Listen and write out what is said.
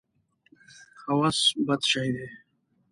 هوس بد شی دی.